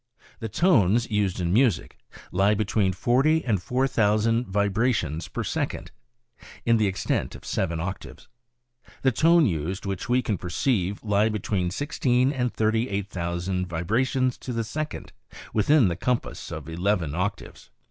The tones used in music lie between 40 and 4,000 vibrations per second in the extent of seven octaves. The tones used Which we can perceive lie between 16 and 38,000 vibrations to the second within the compass of eleven octaves.